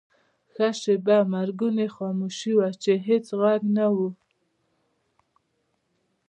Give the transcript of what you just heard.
ښه شیبه مرګونې خاموشي وه، چې هېڅ ږغ نه و.